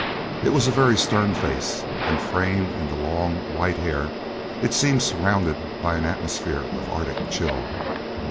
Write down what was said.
It was a very stern face, and framed in the long, white hair it seemed surrounded by an atmosphere of Arctic chill.